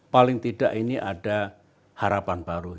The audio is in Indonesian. paling tidak ini ada harapan baru